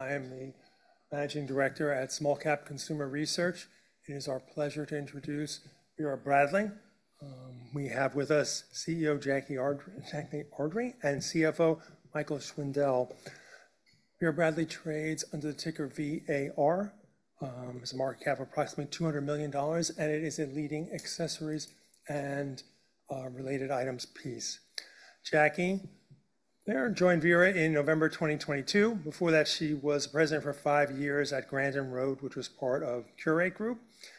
I am the Managing Director at Small Cap Consumer Research. It is our pleasure to introduce Vera Bradley. We have with us CEO Jackie Ardrey and CFO Michael Schwindle. Vera Bradley trades under the ticker VRA, market cap of approximately $200 million, and it is a leading accessories and related items player. Jackie. She joined Vera in November 2022. Before that she was president for five years at Grandin Road which was part of Qurate Group.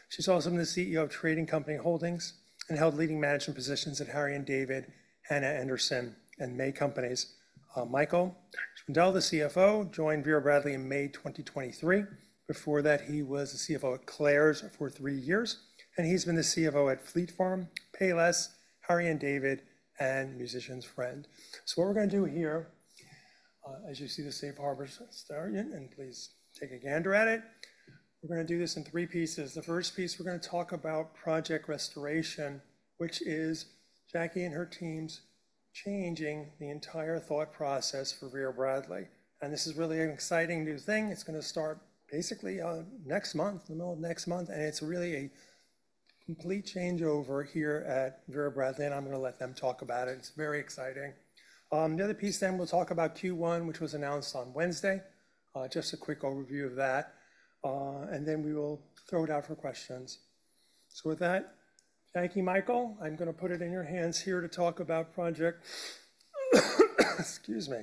She's also been the CEO of Trading Company Holdings and held leading management positions at Harry & David, Hanna Andersson and The May Department Stores Company. Michael Schwindle, the CFO joined Vera Bradley in May 2023. Before that he was the CFO at Claire's for three years and he's been the CFO at Fleet Farm, Payless, Harry & David and Musician's Friend. What we're going to do here, as you see the safe harbor start and please take a gander at it, we're going to do this in three pieces. The first piece we're going to talk about Project Restoration which is Jackie and her teams changing the entire thought process for Vera Bradley. And this is really an exciting new thing. It's going to start basically next month, in the middle of next month and it's really a complete changeover here at Vera Bradley and I'm going to let them talk about it. It's very exciting. The other piece, then we'll talk about Q1 which was announced on Wednesday. Just a quick overview of that and then we will throw it out for questions. So with that, thank you Michael. I'm going to put it in your hands here to talk about project, excuse me,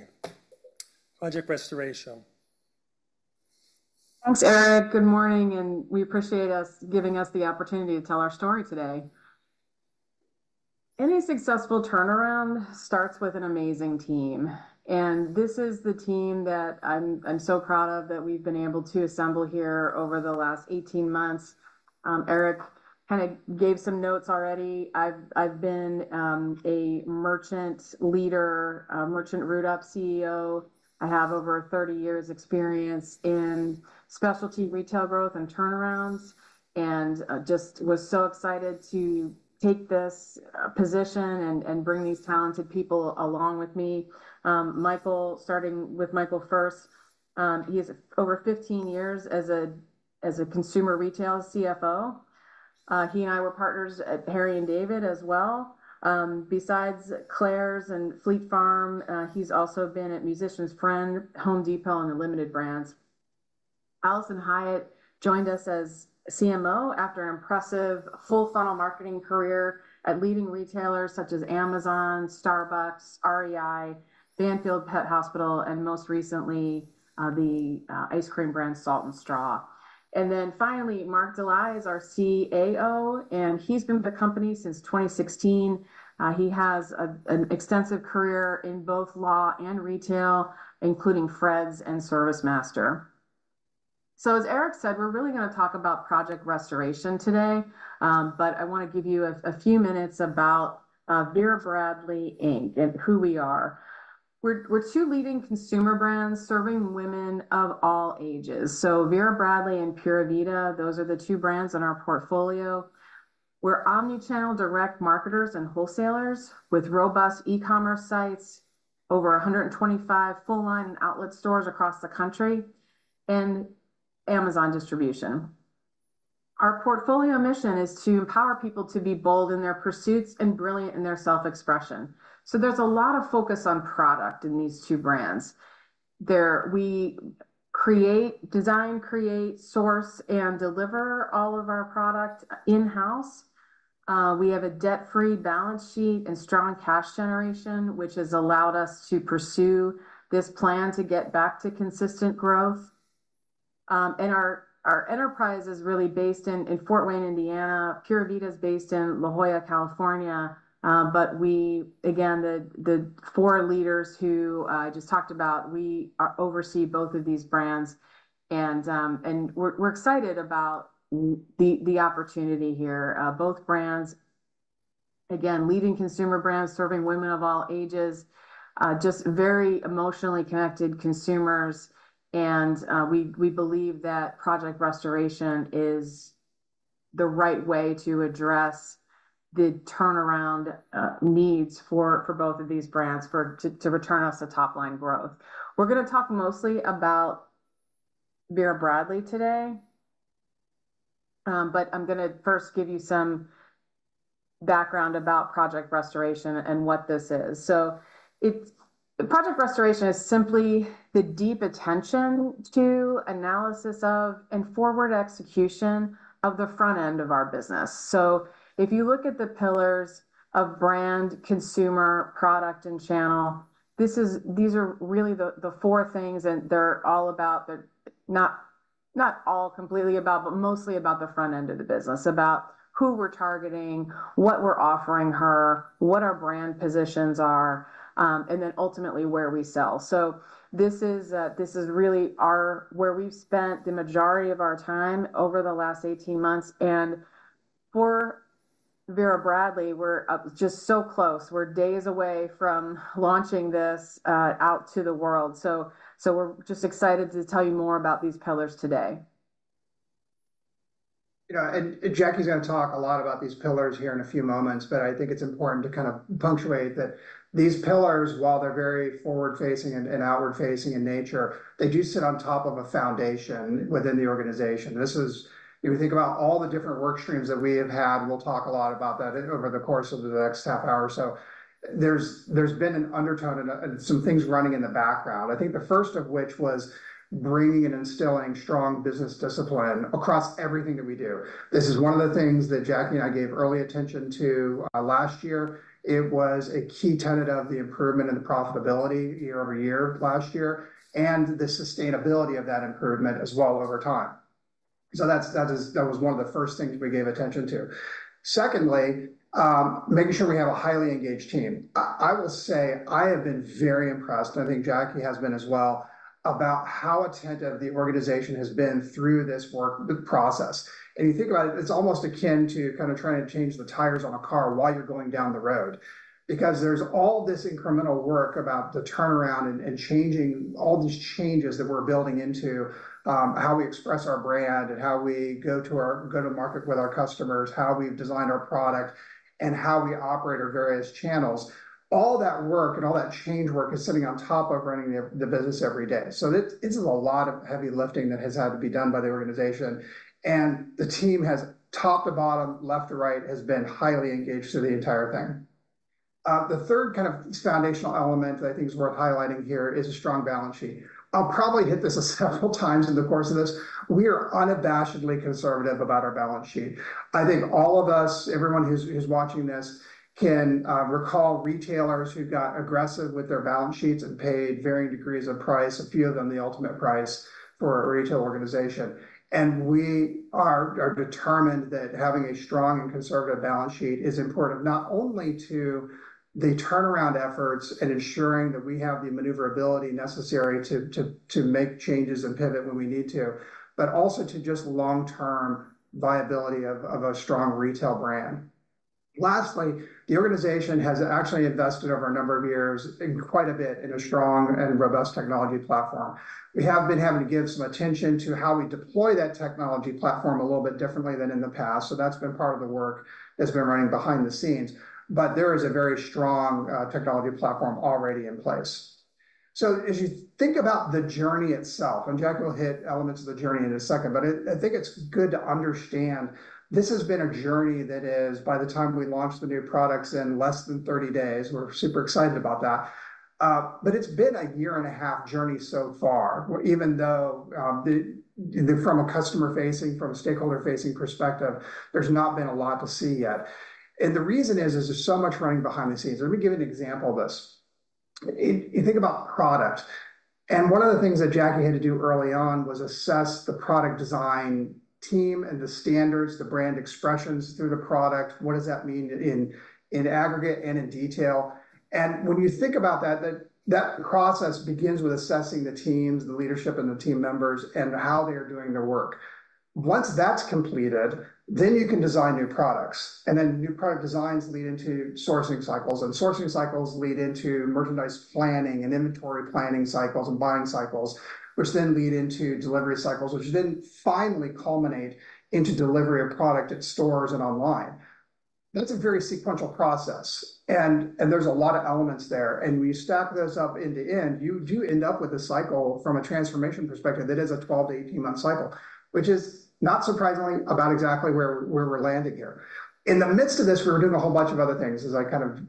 Project Restoration. Thanks Eric. Good morning and we appreciate giving us the opportunity to tell our story today. Any successful turnaround starts with an amazing team and this is the team that I'm so proud of that we've been able to assemble here over the last 18 months. Eric kind of gave some notes already. I've been a merchant leader, merchant retail CEO. I have over 30 years experience in specialty retail growth and turnarounds and just was so excited to take this position and bring these talented people along with me. Michael, starting with Michael first. He has over 15 years as a consumer retail CFO. He and I were partners at Harry & David as well. Besides Claire's and Fleet Farm, he's also been at Musician's Friend, Home Depot and Limited Brands. Alison Hiatt joined us as CMO after an impressive full funnel marketing career at leading retailers such as Amazon, Starbucks, REI, Banfield Pet Hospital and most recently the ice cream brand Salt & Straw. Then finally Mark Dely is our CAO and he's been with the company since 2016. He has an extensive career in both law and retail including Fred's and ServiceMaster. So as Eric said, we're really going to talk about Project Restoration today, but I want to give you a few minutes about Vera Bradley Inc. and who we are. We're two leading consumer brands serving women of all ages. Vera Bradley and Pura Vida, those are the two brands in our portfolio. We're omnichannel direct marketers and wholesalers with robust e-commerce sites, over 125 full-line and outlet stores across the country and Amazon distribution. Our portfolio mission is to empower people to be bold in their pursuits and brilliant in their self-expression. There's a lot of focus on product in these two brands. We create, design, create, source, and deliver all of our product in-house. We have a debt-free balance sheet and strong cash generation, which has allowed us to pursue this plan to get back to consistent growth. Our enterprise is really based in Fort Wayne, Indiana. Pura Vida is based in La Jolla, California. But we, again, the four leaders who I just talked about, we oversee both of these brands, and we're excited about the opportunity here. Both brands again leading consumer brands serving women of all ages just very emotionally and we believe that Project Restoration is the right way to address the turnaround needs for both of these brands to return us to top line growth. We're going to talk mostly about Vera Bradley today, but I'm going to first give you some background about Project Restoration and what this is. So it's Project Restoration is simply the deep attention to analysis of and forward execution of the front end of our business. If you look at the pillars of brand, consumer, product and channel, these are really the four things and they're all about, not all completely about, but mostly about the front end of the business, about who we're targeting, what we're offering her, what our brand positions are and then ultimately where we sell. This is really where we've spent the majority of our time over the last 18 months. For Vera Bradley we're just so close. We're days away from launching this out to the world. We're just excited to tell you more about these pillars today. Jackie's going to talk a lot about these pillars here in a few moments, but I think it's important to punctuate that these pillars, while they're very forward-facing and outward-facing in nature. They do sit on top, top of a foundation within the organization. If you think about all the different work streams that we have had, we'll talk a lot about that over the course of the next half hour. There's been an undertone and some things running in the background. I think the first of which was bringing and instilling strong business discipline across everything that we do. This is one of the things that Jackie and I gave early attention to last year. It was a key tenet of the improvement in the profitability year-over-year last year and the sustainability of that improvement as well over time. So that was one of the first things we gave attention to. Secondly, making sure we have a highly engaged team. I will say I have been very impressed. I think Jackie has been as well about how attentive the organization has been through this work process. And you think about it, it's almost akin to kind of trying to change the tires on a car while you're going down the road. Because there's all this incremental work about the turnaround and changing all these changes that we're building, how we express our brand and how we go to our go to market with our customers, how we've designed our product and how we operate our various channels. All that work and all that change work is sitting on top of running the business every day. So this is a lot of heavy lifting that has had to be done by the organization. And the team has, top to bottom, left to right, has been highly engaged through the entire thing. The third kind of foundational element that I think is worth highlighting here is a strong balance sheet. I'll probably hit this several times in the course of this. We are unabashedly conservative about our balance sheet. I think all of us, everyone who's watching this can recall retailers who got aggressive with their balance sheets and paid varying degrees of price. A few of them the ultimate price for a retail organization. We are determined that having a strong and conservative balance sheet is important not only to the turnaround efforts and ensuring that we have the maneuverability necessary to make changes and pivot when we need to, but also to just long term viability of a strong retail brand. Lastly, the organization has actually invested over a number of years quite a bit in a strong and robust technology platform. We have been having to give some attention to how we deploy that technology platform a little bit differently than in the past. That's been part of the work that's been running behind the scenes, but there is a very strong technology platform already in place. As you think about the journey itself, and Jack will hit elements of the journey in a second. I think it's good to understand this has been a journey that is by the time we launch the new products in less than 30 days, we're super excited about that. But it's been a year and a half journey so far. Even though from a customer facing, from a stakeholder facing perspective, there's not been a lot to see yet. And the reason is there's so much running behind the scenes. Let me give you an example of this. You think about product and one of the things that Jackie had to do early on was assess the product design team and the standards, the brand expressions through the product. What does that mean in aggregate and in detail? And when you think about that, that process begins with assessing the teams, the leadership and the team members and how they are doing their work. Once that's completed, then you can design new products and then new product designs lead into sourcing cycles and sourcing cycles lead into merchandise planning and inventory planning cycles and buying cycles which then lead into delivery cycles which then finally culminate into delivery of product at stores and online. That's a very sequential process and there's a lot of elements there. And when you stack those up, end to end, you do end up with a cycle from a transformation perspective, that is a 12-18 month cycle, which is not surprisingly about exactly where we're landing here. In the midst of this, we were doing a whole bunch of other things, as I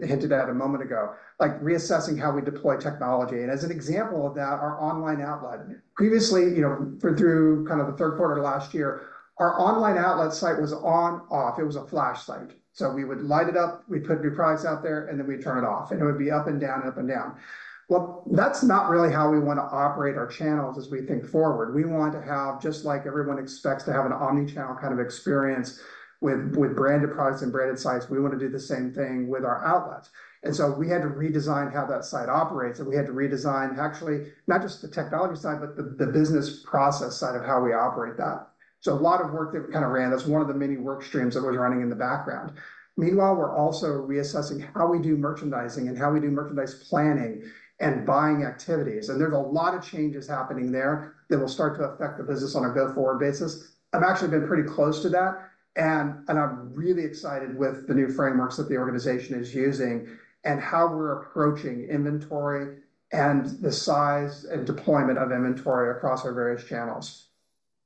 hinted at a moment ago, like reassessing how we deploy technology. As an example of that, our online outlet previously, you know, through kind of the third quarter last year, our online outlet site was on, off, it was a flash site. So we would light it up, we put new products out there and then we turn it off and it would be up and down, up and down. Well, that's not really how we want to operate our channels as we think forward. We want to have, just like everyone expects to have an omnichannel kind of experience with, with branded products and branded sites. We want to do the same thing with our outlet. So we had to redesign how that site operates. We had to redesign actually not just the technology side, but the business process side of how operate that. A lot of work that we kind of ran, that's one of the many work streams that was running in the background. Meanwhile, we're also reassessing how we do merchandising and how we do merchandise planning and buying activities. There's a lot of changes happening there that will start to affect the business on a go forward basis. I've actually been pretty close to that and I'm really excited with the new frameworks that the organization is using and how we're approaching inventory and the size and deployment of inventory across our various channels.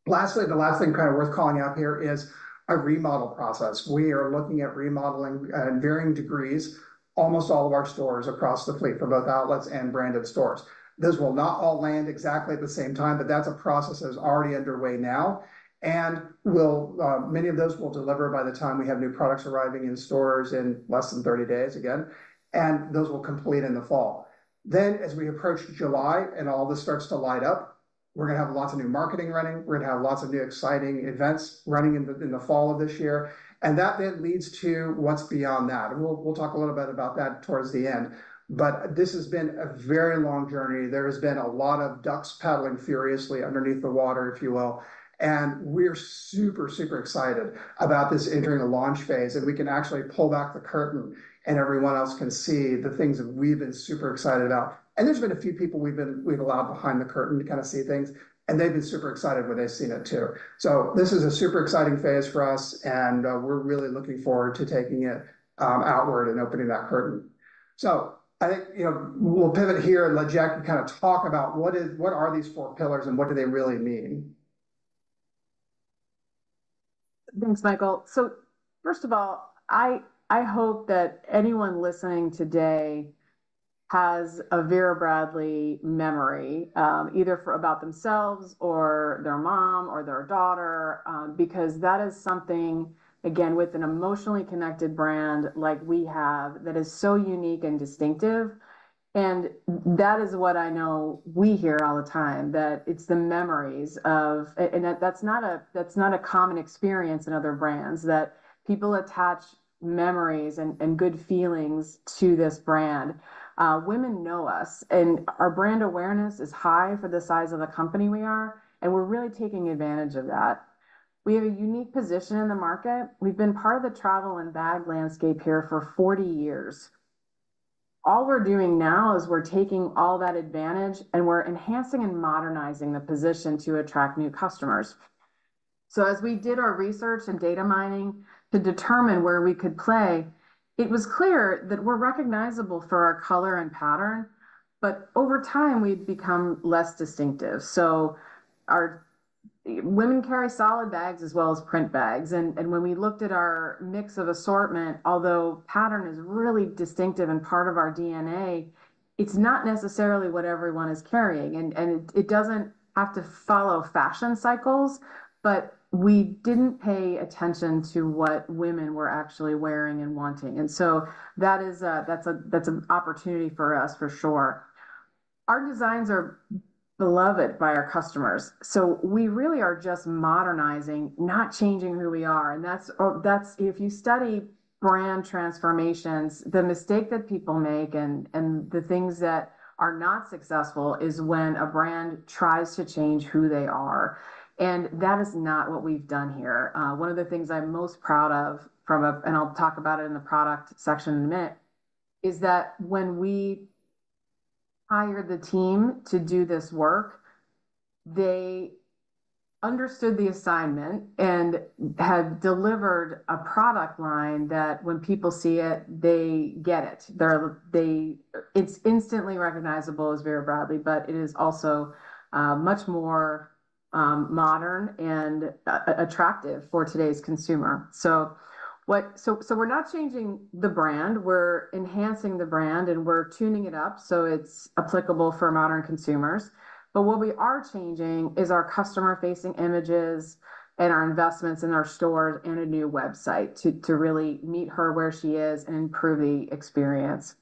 Lastly, the last thing kind of worth calling out here is a remodel process. We are looking at remodeling in varying degrees, almost all of our stores across the fleet for both outlets and branded stores. This will not all land exactly at the same time, but that's a process that is already underway now. Many of those will deliver by the time we have new products arriving in stores in less than 30 days again. Those will complete in the fall. As we approach July and all this starts to light up, we're going to have lots of new marketing running. We're going to have lots of new exciting events running in the fall of this year. That then leads to what's beyond that. We'll talk a little bit about that towards the end. This has been a very long journey. There has been a lot of ducks paddling furiously underneath the water, if you will. We're super, super excited about this entering a launch phase. We can actually pull back the curtain and everyone else can see the things that we've been super excited about. There's been a few people we've allowed behind the curtain to kind of see things and they've been super excited when they've seen it too. This is a super exciting phase for us and we're really looking forward to taking it outward and opening that curtain. I think we'll pivot here and let Jackie kind of talk about what are these four pillars and what do they really mean? Thanks, Michael. So, first of all, I hope that anyone listening today has a Vera Bradley memory, either for about themselves or their mom or their daughter. Because that is something again, with an emotionally connected brand like we have that is so unique and distinctive. And that is what I know we hear all the time, that it's the memories of. And that's not a common experience in other brands that people attach memories and good feelings to this brand. Women know us and our brand awareness is high for the size of the company we are, and we're really taking advantage of that. We have a unique position in the market. We've been part of the travel and bag landscape here for 40 years. All we're doing now is we're taking all that advantage and we're enhancing and modernizing the position to attract new customers. So as we did our research and data mining to determine where we could play, it was clear that we're recognizable for our color and pattern. But over time we've become less distinctive. So our women carry solid bags as well as print bags. And when we looked at our mix of assortment, although pattern is really distinctive and part of our DNA, it's not necessarily what everyone is carrying and it doesn't have to follow fashion cycles, but we didn't pay attention to what women were actually wearing and wanting. And so that is, that's an opportunity for us for sure. Our designs are beloved by our customers. So we really are just modernizing, not changing who we are. And that's. If you study brand transformations, the mistake that people make and the things that are not successful is when a brand tries to change who they are. And that is not what we've done here. One of the things I'm most proud of, and I'll talk about it in the product section in a minute, is that when we hire the team to do this work, they understood the assignment and had delivered a product line that when people see it, they get it. It's instantly recognizable as Vera Bradley. But it is also much more modern and attractive for today's consumer. So we're not changing the brand, we're enhancing the brand and we're tuning it up so it's applicable for modern consumers. But what we are changing is our customer facing images and our investments in our stores and a new website to really meet her where she is and improve the experience.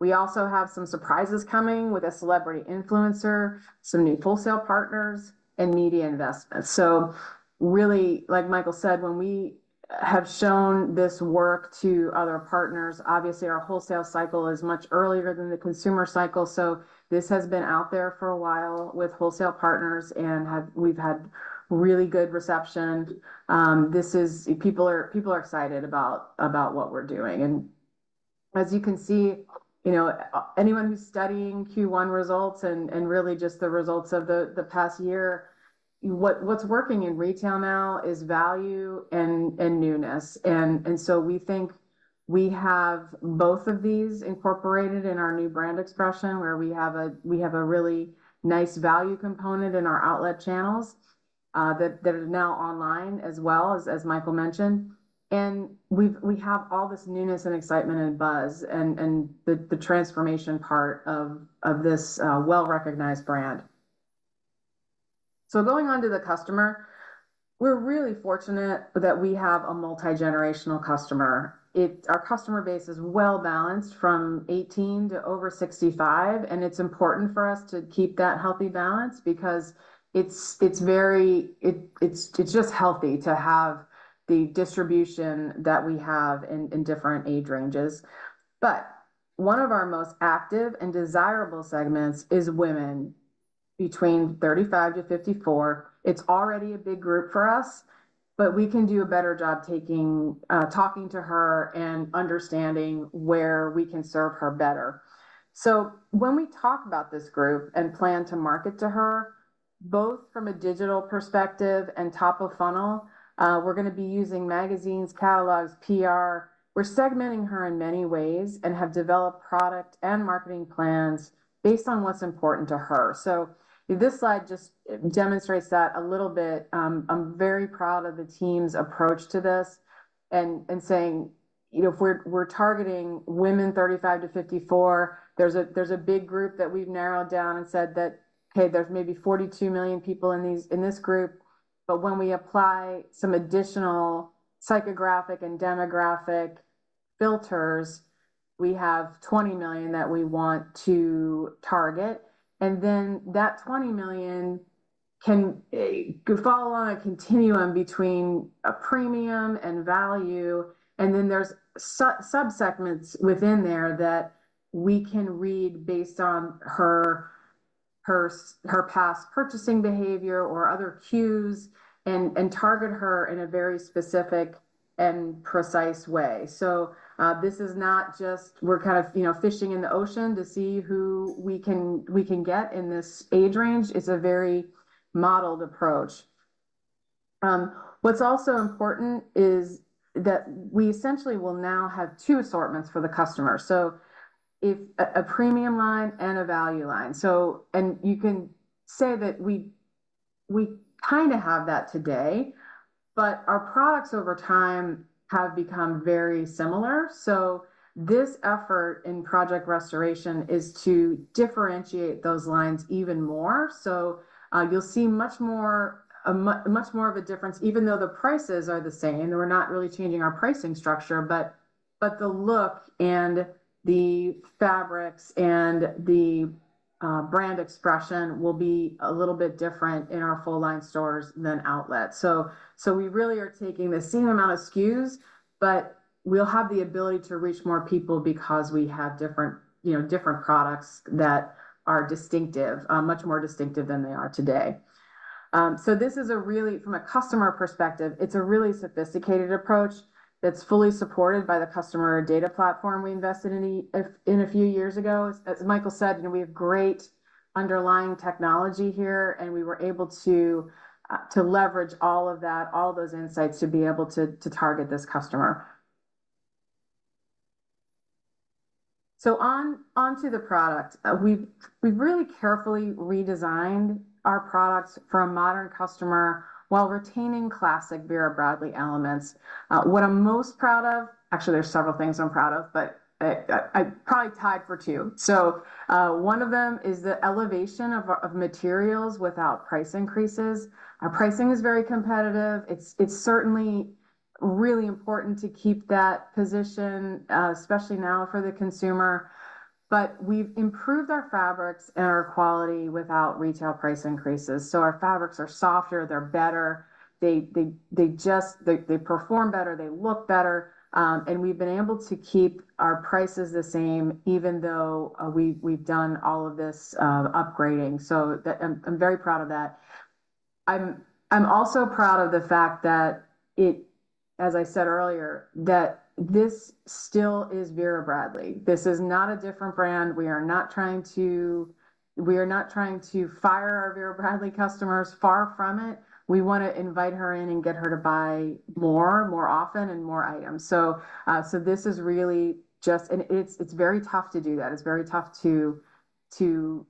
We also have some surprises coming with a celebrity influencer, some new wholesale partners and media investments. So really, like Michael said, when we have shown this work to other partners, obviously our wholesale cycle is much earlier than the consumer cycle. So this has been out there for a while with wholesale partners and we've had really good reception. This is, people are excited about what we're doing. And as you can see, you know, anyone who's studying Q1 results and really just the results of the past year, what's working in retail now is value and newness. We think we have both of these incorporated in our new brand expression, where we have a really nice value component in our outlet channels that are now online as well, as Michael mentioned. And we have all this newness and excitement and buzz and the transformation part of this well-recognized brand. Going on to the customer, we're really fortunate that we have a multigenerational customer. Our customer base is well balanced from 18 to over 65. And it's important for us to keep that healthy balance because it's just healthy to have the distribution that we have in different age ranges. But one of our most active and desirable segments is women between 35-54. It's already a big group for us, but we can do a better job talking to her and understanding where we can serve her better. So when we talk about this group and plan to market to her both from a digital perspective and top of funnel, we're going to be using magazines, catalogs, print. We're segmenting her in many ways and have developed product and marketing plans based on what's important to her. So this slide just demonstrates that a little bit. I'm very proud of the team's approach to this and saying if we're targeting women 35-54, there's a big group that we've narrowed down and said that hey, there's maybe 42 million people in this group. But when we apply some additional psychographic and demographic filters, we have 20 million that we want to target. And then that 20 million can fall on a continuum between a premium and value. And then there's sub segments within there that we can read based on her past purchasing behavior or other cues and target her in a very specific, precise way. So this is not just we're kind of, you know, fishing in the ocean to see who we can, we can get in this age range. It's a very modeled approach. What's also important is that we essentially will now have two assortments for the customer. So if a premium line and a value line. So and you can say that we, we kind of have that today, but our products over time have become very similar. So this effort in Project Restoration is to differentiate those lines even more. So you'll see much more, much more of a difference. Even though the prices are the same, we're not really changing our pricing structure, but the look and the fabrics and the brand expression will be a little bit different in our full line stores than outlet. So we really are taking the same amount of SKUs, but we'll have the ability to reach more people because we have different, you know, different products that are distinctive, much more distinctive than they are today. So this is a really, from a customer perspective, it's a really sophisticated approach that's fully supported by the customer data platform we invested in a few years ago. As Michael said, we have great underlying technology here, and we were able to leverage all of that, all those insights, to be able to target this customer. So onto the product, we've really carefully redesigned our products for a modern customer while retaining classic Vera Bradley elements. What I'm most proud of, actually, there's several things I'm proud of, but I probably tied for two. So one of them is the elevation of materials without price increases. Our pricing is very competitive. It's certainly really important to keep that position, especially now for the consumer. But we've improved our fabrics and our quality without retail price increases. So our fabrics are softer, they're better. They perform better, they look better. And we've been able to keep our prices the same even though we've done all of this upgrading. So I'm very proud of that. I'm also proud of the fact that, as I said earlier, that this still is Vera Bradley. This is not a different brand. We are not trying to. We are not trying to fire our Vera Bradley customers. Far from it. We want to invite her in and get her to buy more, more often and more items. So this is really just. It's very tough to do that. It's very tough to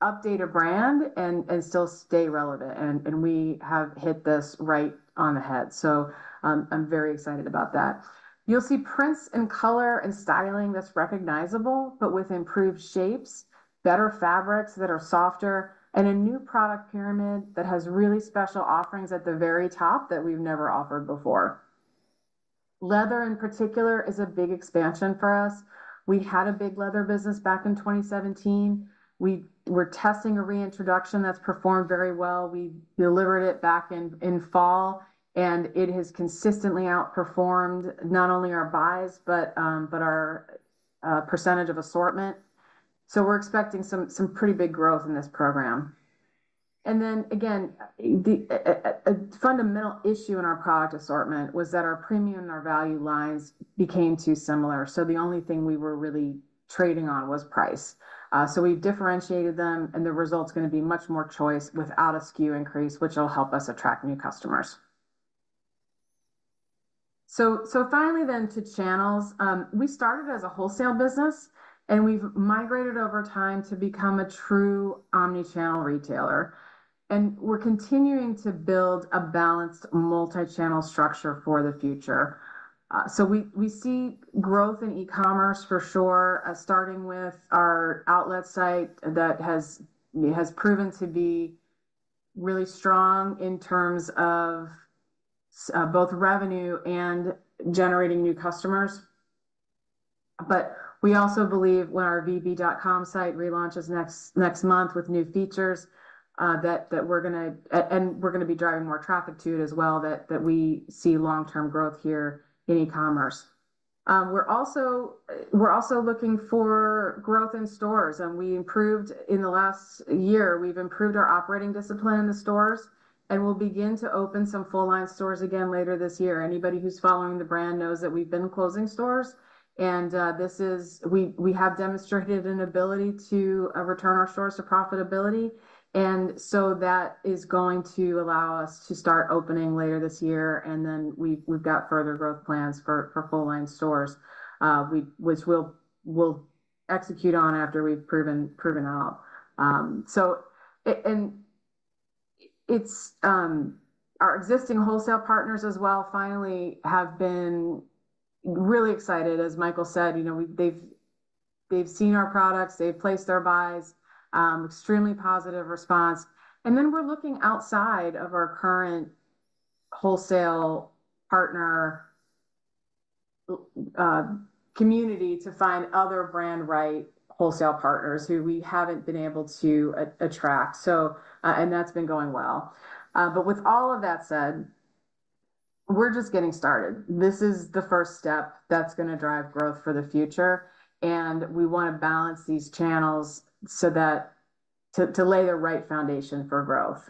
update a brand and still stay relevant. We have hit this right on the head. So I'm very excited about that. You'll see prints and color and styling that's recognizable, but with improved shapes, better fabrics that are softer, and a new product pyramid that has really special offerings at the very top that we've never offered before. Leather in particular is a big expansion for us. We had a big leather business back in 2017. We were testing a reintroduction that's performed very well. We delivered it back in fall, and it has consistently outperformed not only our buys, but our percentage of assortment. So we're expecting some pretty big growth in this program. And then again, a fundamental issue in our product assortment was that our premium and our value lines became too similar. So the only thing we were really trading on was price. So we've differentiated them, and the result is going to be much more choice without a SKU increase, which will help us attract new customers. So finally then to channels. We started as a wholesale business, and we've migrated over time to become a true omnichannel retailer. And we're continuing to build a balanced multichannel structure for the future. So we see growth in e-commerce for sure, starting with our outlet site that has proven to be really strong in terms of both revenue and generating new customers. But we also believe when our VB.com site relaunches next month with new features that we're going to be driving more traffic to it as well that we see long-term growth here in e-commerce. We're also looking for growth in stores and we improved in the last year. We've improved our operating discipline in the stores and we'll begin to open some full-line stores again later this year. Anybody who's following the brand knows that we've been closing stores and this is, we have demonstrated an ability to return our stores to profitability. And so that is going to allow us to start opening later this year. And then we've got further growth plans for full line stores which we'll execute on after we've proven out. So our existing wholesale partners as well have finally been really excited, as Michael said. You know, they've seen our products, they've placed their buys, extremely positive response. And then we're looking outside of our current wholesale partner community to find other brand-right wholesale partners who we haven't been able to attract. So that's been going well. But with all of that said, we're just getting started. This is the first step that's going to drive growth for the future and we want to balance these channels so as to lay the right foundation for growth.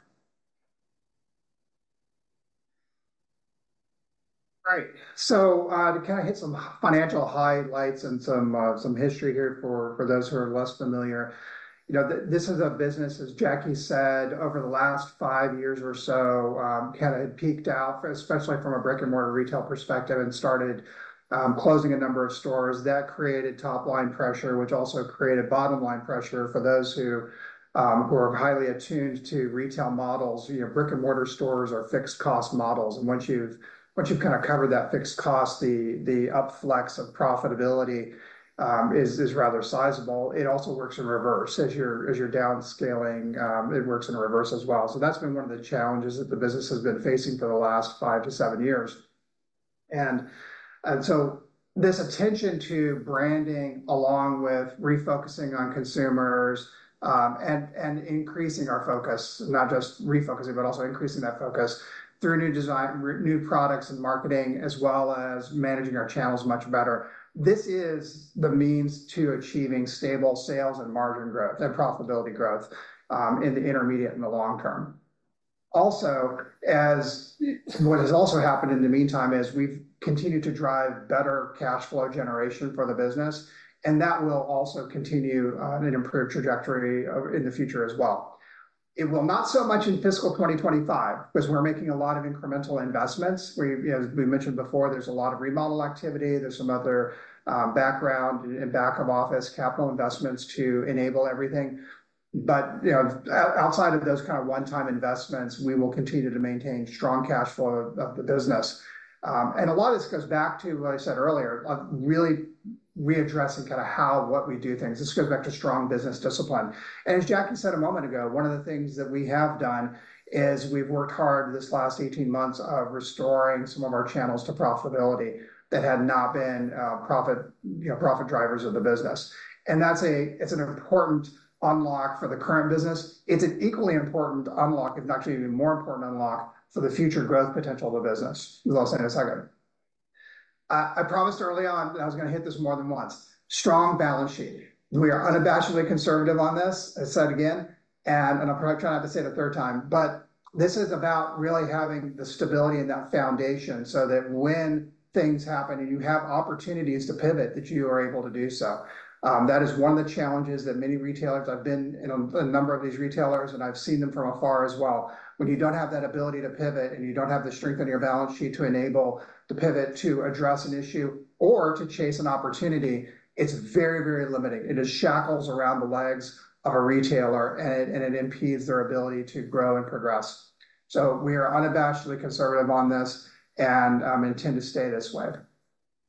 All right, so to kind of hit some financial highlights and some, some history here for, for those who are less familiar. This is a business as Jackie said, over the last five years or so kind of had peaked out especially from a brick and mortar retail perspective and started closing a number of stores. That created top line pressure which also created bottom line pressure for those who were highly attuned to retail models. Brick and mortar stores are fixed cost models and once you've kind of covered that fixed cost, the up flex of profitability is rather sizable. It also works in reverse as you're, as you're downscaling works in reverse as well. So that's been one of the challenges that the business has been facing for the last five to seven years. So this attention to branding along with refocusing on consumers and increasing our focus, not just refocusing, but also increasing that focus through new design, new products and marketing as well as managing our channels much better, this is the means to achieving stable sales and margin growth and profitability growth in the intermediate and the long term. Also, what has also happened in the meantime is we've continued to drive better cash flow generation for the business. That will also continue an improved trajectory in the future as well. It will not so much in fiscal 2025 because we're making a lot of incremental investments. As we mentioned before. There's a lot of remodel activity, there's some other background and back of office capital investments to enable everything. But outside of those kind of one-time investments, we will continue to maintain strong cash flow of the business. And a lot of this goes back to what I said earlier, really readdressing kind of how we do things. This goes back to strong business discipline. And as Jackie said a moment ago, one of the things that we have done is we've worked hard this last 18 months of restoring some of our channels to profitability that had not been profit drivers of the business. And it's an important unlock for the current business. It's an equally important unlock, if not to even more important unlock for the future growth potential of a business. As I'll say in a second, I promised early on that I was going to hit this more than once. Strong balance sheet. We are unabashedly conservative on this as said again, and I'm probably trying not to say it a third time, but this is about really having the stability in that foundation so that when things happen and you have opportunities to pivot, that you are able to do so. That is one of the challenges that many retailers I've been in, a number of these retail sellers and I've seen them from afar as well. When you don't have that ability to pivot and you don't have the strength on your balance sheet to enable to pivot, to address an issue or to chase an opportunity, it's very, very limiting. It is shackles around the legs of a retailer and it impedes their ability to grow and progress. So we are unabashedly conservative on this and intend to stay this way.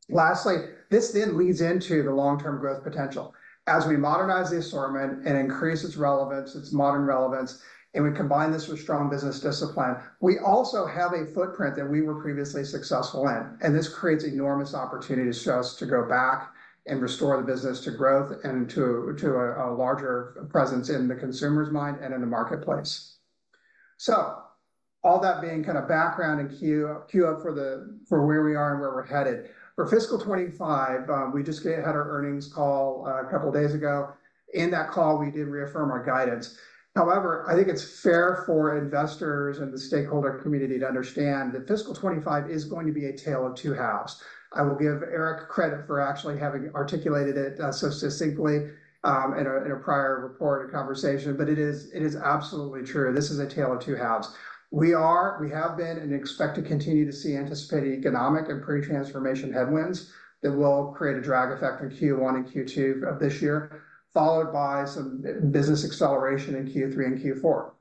Lastly, this then leads into the long-term growth potential as we modernize the assortment and increase its relevance, its modern relevance. We combine this with business discipline. We also have a footprint that we were previously successful in and this creates enormous opportunities just to go back and restore the business to growth and to a larger presence in the consumer's mind and in the marketplace. So all that being kind of background and queue up for where we are and where we're headed for fiscal 2025, we just had our earnings call a couple days ago. In that call we did reaffirm our guidance. However, I think it's fair for investors and the stakeholder community to understand that fiscal 2025 is going to be a tale of two halves. I will give Eric credit for actually having articulated it so succinctly in a prior report or conversation, but it is, it is absolutely true. This is a tale of two halves. We are, we have been and expect to continue to see anticipated economic and pre-transformation headwinds that will create a drag effect in Q1 and Q2 of this year followed by some business acceleration in Q3 and Q4.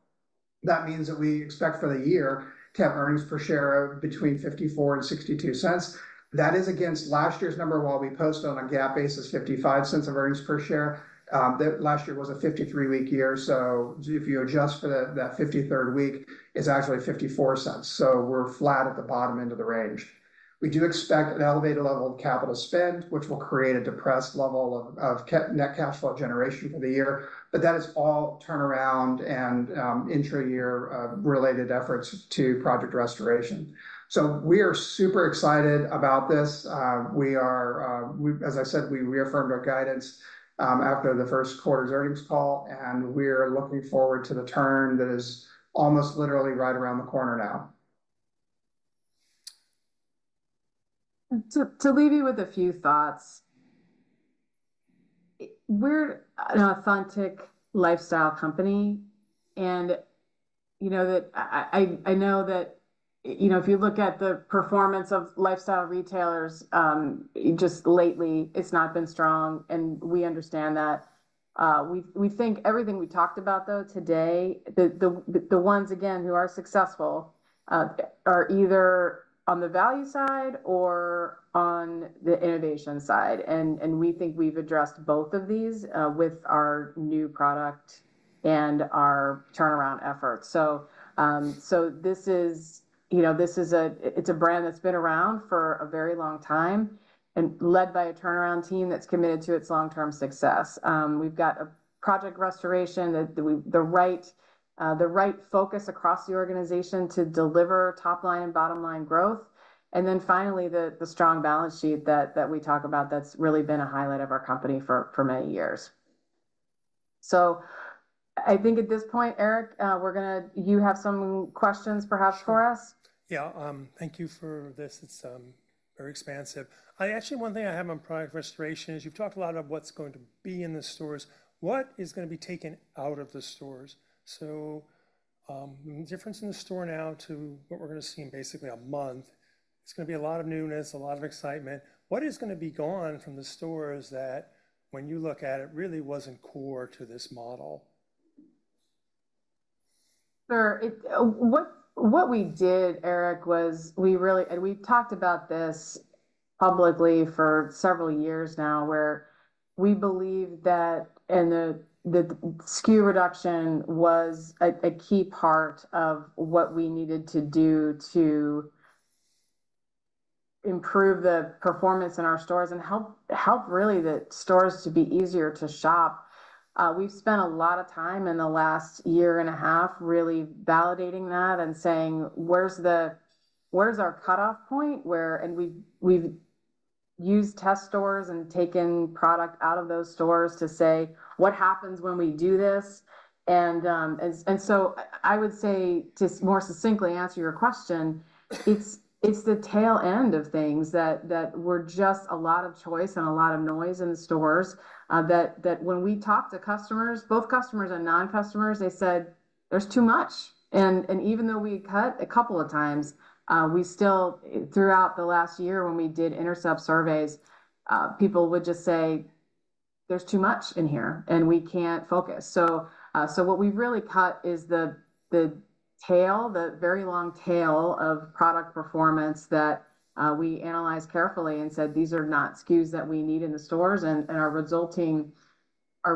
That means that we expect for the year to have earnings per share between $0.54 and $0.62. That is against last year's number while we post on a GAAP basis $0.55 of earnings per share. That last year was a 53-week year. So if you adjust for that 53rd week, it's actually $0.54. So we're flat at the bottom end of the range. We do expect an elevated level of capital spend which will create a depressed level of net cash flow generation for the year. But that all turnaround and intra-year related efforts to Project Restoration. So we are super excited about this. We are, as I said, we reaffirmed our guidance after the first quarter's earnings call and we are looking forward to the turn that is almost literally right around the corner now. To leave you with a few thoughts. We're an authentic lifestyle company and you know that, I know that. You know, if you look at the performance of lifestyle retailers just lately it's not been strong and we understand that. We think everything we talked about though today the ones again who are successful are either on the value side or on the innovation side. And we think we've addressed both of these with our new product and our turnaround efforts. So this is, you know, this is a, it's a brand that's been around for a very long time and led by a turnaround team that's committed to its long-term success. We've got a Project Restoration, the right focus across the organization to deliver top line and bottom line growth. And then finally, the strong balance sheet that we talk about that's really been a highlight of our company for many years. So I think at this point, Eric, we're gonna. You have some questions perhaps for us. Yeah, thank you for this. It's very expansive. Actually one thing I have on Project Restoration is you've talked a lot of what's going to be in the stores, what is going to be taken out of the stores. So difference in the store now to what we're going to see in basically a month, it's going to be a lot of newness, a lot of excitement. What is going to be gone from the stores that when you look at it, really wasn't core to this model. What we did, Eric, was we talked about this publicly for several years now where we believe that. And the SKU reduction was a key part of what we needed to do to improve the performance in our stores and help really the stores to be easier to shop. We've spent a lot of time in the last year and a half really validating that and saying, where's our cutoff point? Where? And we've used test stores and taken product out of those stores to say, what happens when we do this? And so I would say to more succinctly answer your question, it's the tail end of things that were just a lot of choice and a lot of noise in stores that when we talked to customers, both customers and non customers, they said there's too much. Even though we cut a couple of times, we still, throughout the last year, when we did intercept surveys, people would just say there's too much in here and we can't focus. What we've really cut is the tail, the very long tail of product performance that we analysed carefully and said these are not SKUs that we need in the stores. Our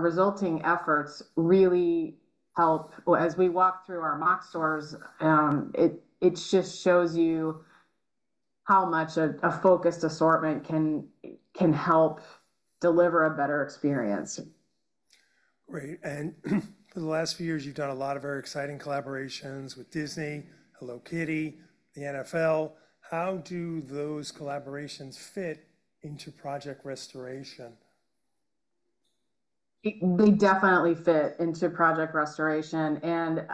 resulting efforts really help as we walk through our mock stores. It just shows you how much a focused assortment can help deliver a better experience. Great. And for the last few years, you've done a lot of very exciting collaborations with Disney, Hello Kitty, the NFL. How do those collaborations fit into Project Restoration? They definitely fit into Project Restoration, and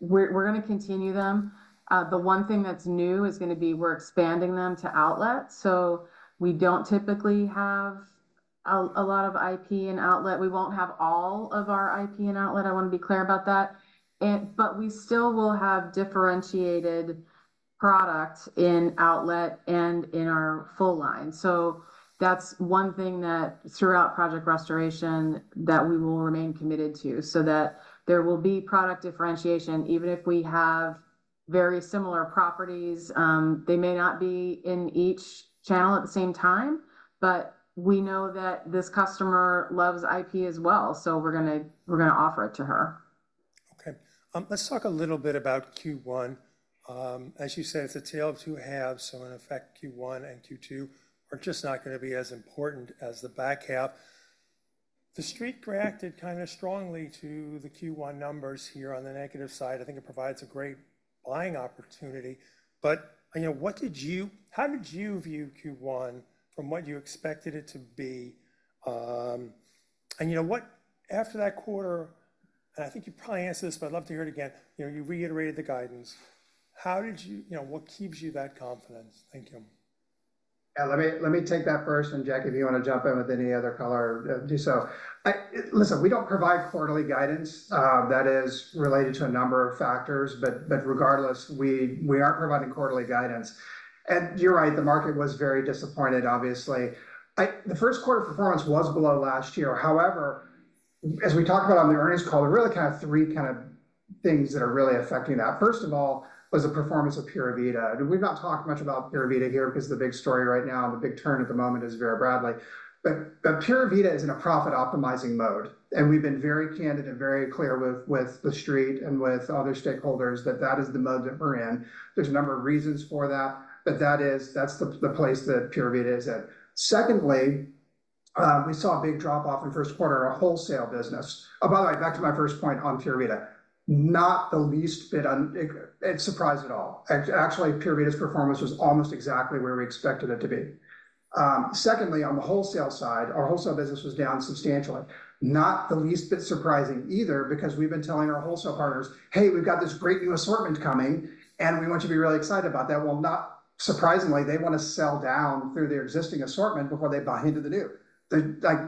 we're going to continue them. The one thing that's new is going to be we're expanding them to outlet. So we don't typically have a lot of IP and outlet. We won't have all of our IP and outlet. I want to be clear about that. But we still will have differentiated product in outlet and in our full line. So that's one thing that throughout Project Restoration that we will remain committed to, so that there will be product differentiation. Even if we have very similar properties, they may not be in each channel at the same time. But we know that this customer loves IP as well, so we're going to offer it to her. Okay, let's talk a little bit about Q1. As you said, it's a tale of two halves. So in effect, Q1 and Q2 are just not going to be as important as the back half. The stock reacted kind of strongly to the Q1 numbers here. On the negative side, I think it provides a great buying opportunity. But how did you view Q1 from what you expected it to be and what after that quarter? And I think you probably answered this, but I'd love to hear it again. You reiterated the guidance. What gives you that confidence? Thank you. Let me take that first. And Jackie, if you want to jump in with any other color, do so. Listen, we don't provide quarterly guidance that is related to a number of factors. But regardless, we aren't providing quarterly guidance. And you're right, the market was very disappointed. Obviously the first quarter performance was below last year. However, as we talked about on the earnings call, there are really three things that are really affecting that. First of all was the performance of Pura Vida. And we've not talked much about Pura Vida here because the big story right now, the big turn at the moment is Vera Bradley. But Pura Vida is in a profit optimizing mode. And we've been very candid and very clear with the street and with other stakeholders that that is the mode that we're in. There's a number of reasons for that, but that is, that's the place that Pura Vida is at. Secondly, we saw a big drop off in first quarter, our wholesale business. By the way, back to my first point on Pura Vida, not the least bit surprised at all. Actually, Pura Vida's performance was almost exactly where we expected it to be. Secondly, on the wholesale side, our wholesale business was down substantially. Not the least bit surprising either because we've been telling our wholesale partners, hey, we've got this great new assortment coming and we want you to be really excited about that. Well, not surprisingly, they want to sell down through their existing assortment before they buy into the new.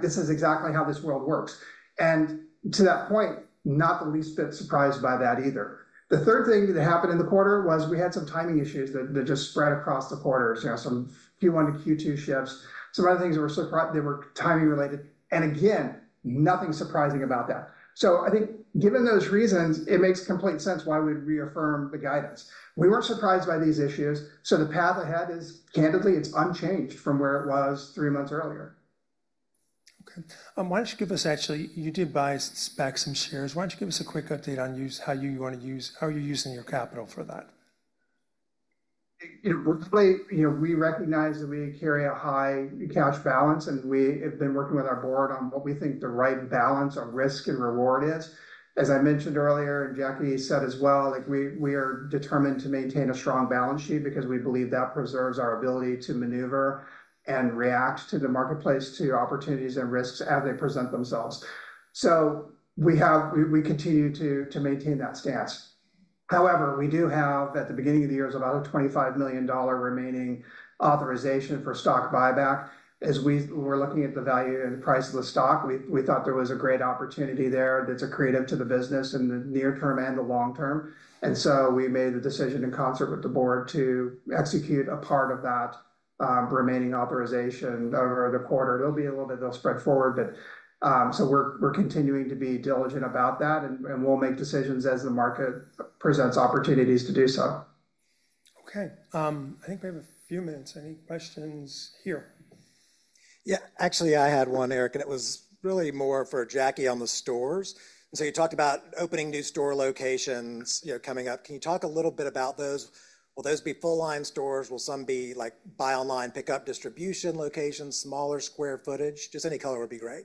This is exactly how this world works. And to that point, not the least bit surprised by that either. The third thing that happened in the quarter was we had some timing issues that just spread across the quarter. Some Q1 to Q2 shifts, some other things. They were timing related and again, nothing surprising about that. So I think given those reasons, it makes complete sense why we'd reaffirm the guidance. We weren't surprised by these issues. So the path ahead is, candidly, it's unchanged from where it was three months earlier. Okay, why don't you give us. Actually, you did buy back some shares. Why don't you give us a quick update on how you want to use. How are you using your capital for that? You know, we recognize that we carry a high cash balance and we have been working with our board on what we think the right balance of risk and reward is. As I mentioned earlier and Jackie said as well, like we, we are determined to maintain a strong balance sheet because we, we believe that preserves our ability to maneuver and react to the marketplace to opportunities and risks as they present themselves. So we continue to maintain that stance. However, we do have at the beginning of the year about a $25 million remaining authorization for stock buyback. As we were looking at the value and the price of the stock, we thought there was a great opportunity there that's accretive to the business and the near term and the long term. We made the decision in concert with the board to execute a part of that remaining authorization over the quarter. There'll be a little bit that we'll spread forward. We're, we're continuing to be diligent about that and we'll make decisions as the market presents opportunities to do so. Okay, I think we have a few minutes. Any questions here? Yeah, actually I had one, Eric, and it was really more for Jackie on the stores. And so you talked about opening new store locations coming up. Can you talk a little bit about those? Will those be full line stores? Will some be like buy online pickup distribution locations? Smaller square footage? Just any color would be great.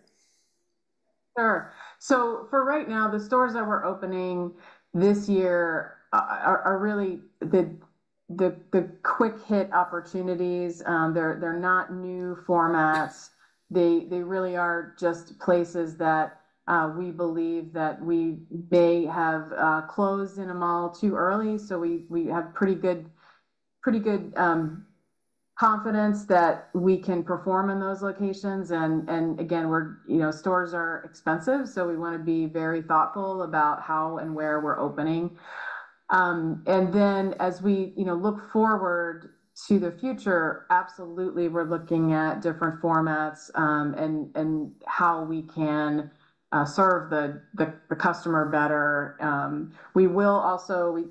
Sure. So for right now, the stores that we're opening this year are really the quick hit opportunities. They're not new formats. They really are just places that we believe that we may have closed in a mall too early. So we have pretty good confidence that we can perform in those locations. And again, stores are expensive. So we want to be very thoughtful about how and where we're opening. And then as we look forward to the future, absolutely. We're looking at different formats and how we can serve the customer better. We will also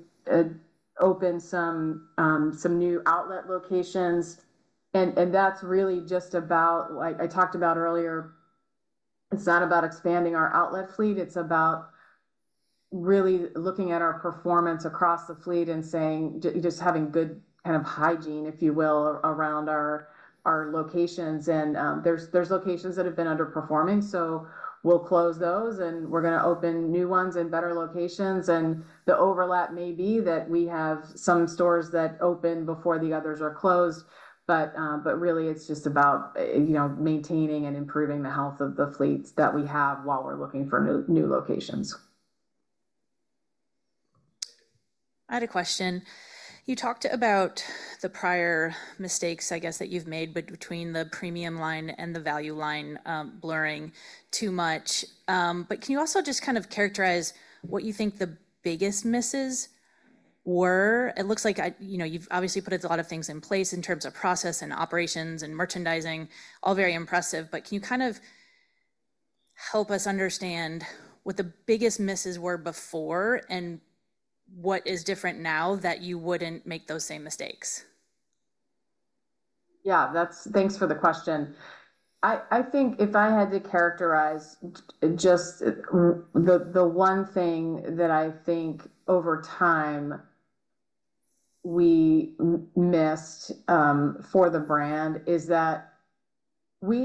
open some new outlet locations and that's really just about. I talked about earlier, it's not about expanding our outlet fleet. It's about really looking at our performance across the fleet and saying just having good kind of hygiene, if you will, around our locations. There are locations that have been underperforming, so we'll close those and we're going to open new ones in better locations. And the overlap may be that we have some stores that open before the others are closed, but really it's just about maintaining and improving the health of the fleet that we have while we're looking for new locations. I had a question. You talked about the prior mistakes, I guess, that you've made between the premium line and the value line blurring too much. But can you also just kind of characterize what you think the biggest misses were? It looks like, you know, you've obviously put a lot of things in place in terms of process and operations and merchandising. All very impressive. But can you kind of help us understand what the biggest misses were before and what is different now that you wouldn't make those same mistakes? Yeah, thanks for the question. I think if I had to characterize just the one thing that I think over time we missed for the brand is that. But.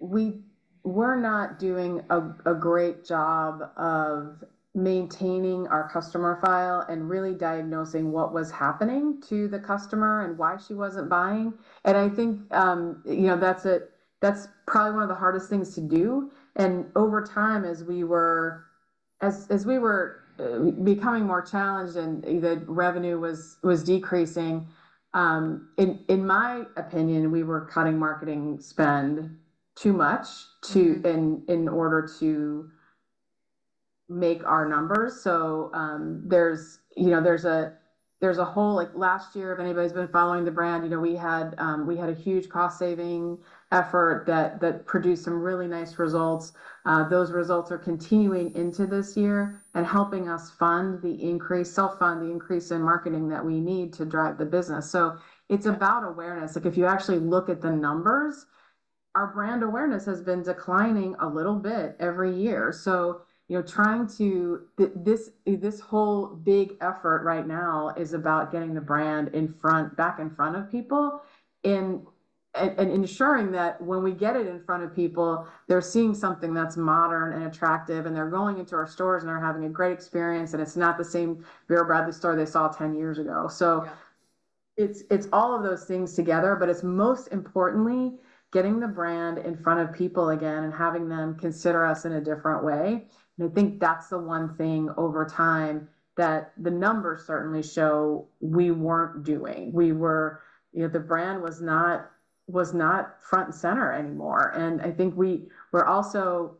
We were not doing a great job of maintaining our customer file and really diagnosing what was happening to the customer and why she wasn't buying. I think that's probably one of the hardest things to do. Over time, as we were becoming more challenged and the revenue was decreasing, in my opinion, we were cutting marketing spend too much in order to make our numbers. So there's, you know, there's a whole. Like last year, if anybody's been following the brand, you know, we had a huge cost saving effort that produced some really nice results. Those results are continuing into this year and helping us fund the increase. Self fund the increase in marketing that we need to drive the business. So it's about awareness. Like, if you actually look at the numbers, our brand awareness has been declining a little bit every year. So, you know, this whole big effort right now is about getting the brand in front, back in front of people and ensuring that when we get it in front of people, they're seeing something that's modern and attractive and they're going into our stores and they're having a great experience. And it's not the same Vera Bradley store they saw 10 years ago. So it's all of those things together. But it's most importantly getting the brand in front of people again and having them consider us in a different way. And I think that's the one thing over time that the numbers certainly show we weren't doing. The brand was not front and center anymore. And I think we were also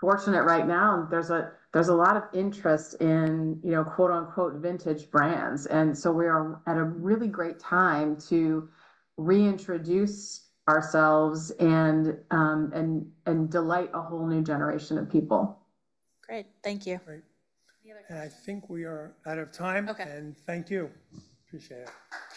fortunate. Right now there's a lot of interest in quote unquote, vintage brands. And so we are at a really great time to reintroduce ourselves and delight a whole new generation of people. Great. Thank you. I think we are out of time. Thank you. Appreciate it.